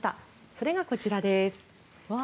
それが、こちらです。